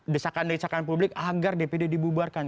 desakan desakan publik agar dpd dibubarkan